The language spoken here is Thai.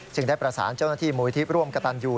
ได้ประสานเจ้าหน้าที่มูลที่ร่วมกระตันยู